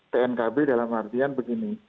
tnkb dalam artian begini